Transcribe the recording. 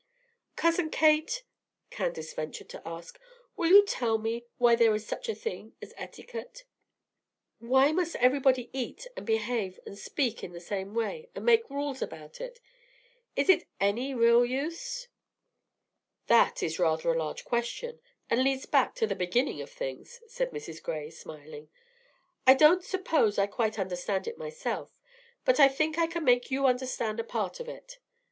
"Cousin Kate," Candace ventured to ask, "will you tell me why there is such a thing as etiquette? Why must everybody eat and behave and speak in the same way, and make rules about it? Is it any real use?" "That is rather a large question, and leads back to the beginning of things," said Mrs. Gray, smiling. "I don't suppose I quite understand it myself, but I think I can make you understand a part of it.